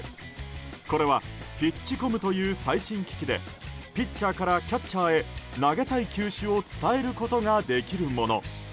これはピッチコムという最新機器でピッチャーからキャッチャーへ投げたい球種を伝えることができるもの。